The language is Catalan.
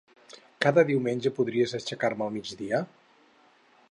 Cada diumenge podries aixecar-me al migdia?